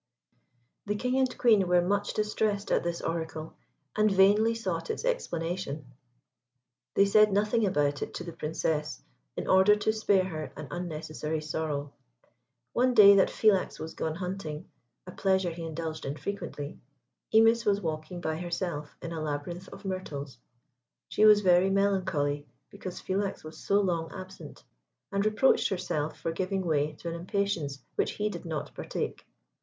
The King and Queen were much distressed at this oracle, and vainly sought its explanation. They said nothing about it to the Princess, in order to spare her an unnecessary sorrow. One day that Philax was gone hunting, a pleasure he indulged in frequently, Imis was walking by herself in a labyrinth of myrtles. She was very melancholy because Philax was so long absent, and reproached herself for giving way to an impatience which he did not partake.